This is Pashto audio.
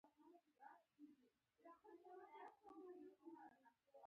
ایا تاسو د ښځو ډاکټر یاست؟